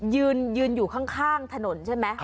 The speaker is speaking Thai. ยืนอยู่ข้างถนนใช่ไหม